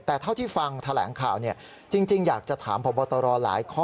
แต่เท่าที่ฟังแถลงข่าวจริงอยากจะถามพบตรหลายข้อ